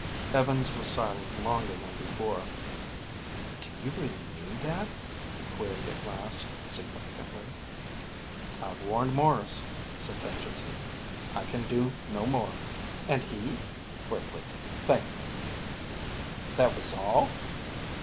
Evans was silent longer than before. "Do you really mean that?" he queried at last, significantly. "I've warned Maurice," sententiously. "I can do no more." "And he?" quickly. "Thanked me." "That was all?"